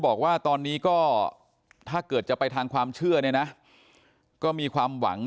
บอกว่าตอนนี้ก็ถ้าเกิดจะไปทางความเชื่อเนี่ยนะก็มีความหวัง